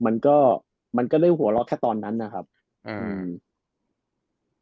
มันก็มันก็ได้หัวเราะแค่ตอนนั้นนะครับอืม